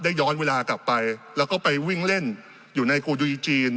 ย้อนเวลากลับไปแล้วก็ไปวิ่งเล่นอยู่ในกูดูอีจีน